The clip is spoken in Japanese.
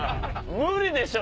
無理でしょ！